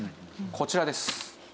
こちらです。